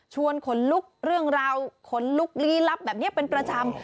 ขนลุกเรื่องราวขนลุกลี้ลับแบบนี้เป็นประจำ